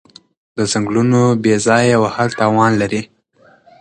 د ځنګلونو بې ځایه وهل تاوان لري.